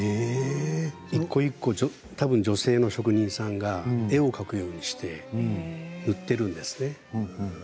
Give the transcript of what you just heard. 一個一個、女性の職人さんが絵を描くように塗っているんですね。